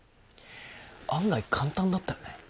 案外簡単だったよね。